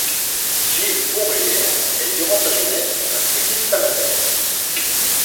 Gilles Hourgières est durant sa jeunesse un cycliste amateur.